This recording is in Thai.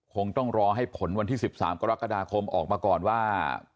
คงต้องรอให้ผลวันที่๑๓กรกฎาคมออกมาก่อนว่า